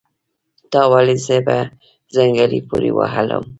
تا ولې زه په څنګلي پوري وهلم